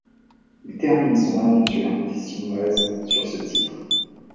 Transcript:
Il termine son aventure tessinoise sur ce titre.